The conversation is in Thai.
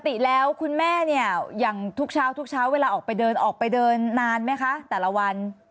ปกติแล้วคุณแม่เนี่ยอย่างทุกเช้าทุกเช้าเวลาออกไปเดินออกไปเดินนานไหมคะแต่ละวัน